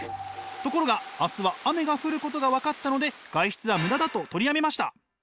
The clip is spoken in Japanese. ところが明日は雨が降ることが分かったので外出はムダだと取りやめました。